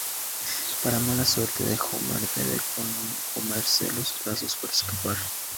Para mala suerte de Homer, debe comerse los brazos para escapar.